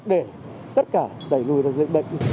để tất cả đẩy lùi được dịch bệnh